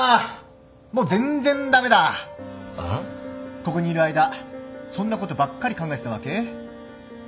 ここにいる間そんなことばっかり考えてたわけ？